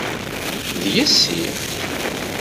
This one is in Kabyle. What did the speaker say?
D yessi.